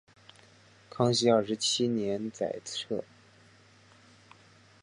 康熙二十七年裁撤。